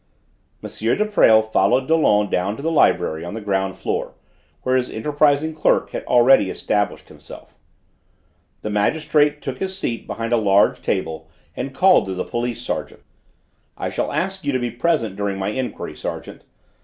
M. de Presles followed Dollon down to the library on the ground floor, where his enterprising clerk had already established himself. The magistrate took his seat behind a large table and called to the police sergeant. "I shall ask you to be present during my enquiry, sergeant.